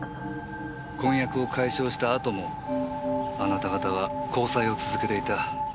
婚約を解消した後もあなた方は交際を続けていた。